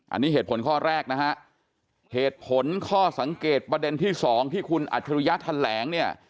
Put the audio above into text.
อันนี้เหตุผลข้อแรกนะฮะเหตุผลข้อสังเกตประเด็นที่สองที่คุณอัจฉริยะแถลงเนี่ย